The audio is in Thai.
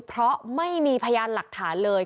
เพราะไม่มีพยานหลักฐานเลย